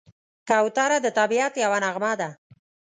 کوتره د طبیعت یوه نغمه ده.